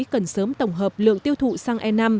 cần sớm tổng hợp lượng tiêu thụ xăng e năm